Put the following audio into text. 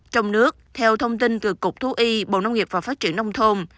trong nước theo thông tin từ cục thú y bộ nông nghiệp và phát triển nông thôn